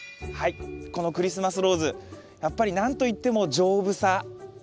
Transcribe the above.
はいこのクリスマスローズやっぱり何と言っても丈夫さ。